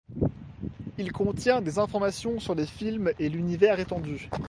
Il contient des informations sur les films et l'univers étendu.